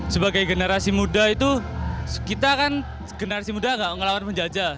sebagai generasi muda itu kita kan generasi muda gak ngelawan penjajah